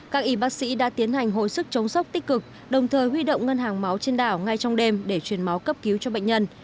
các y bác sĩ đã tiến hành hội sức chống sốc tích cực đồng thời huy động ngân hàng máu trên đảo ngay trong đêm để truyền máu cấp cứu cho bệnh nhân